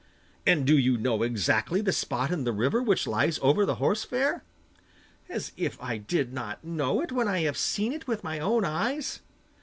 'And do you know exactly the spot in the river which lies over the horse fair?' 'As if I did not know it, when I have seen it with my own eyes.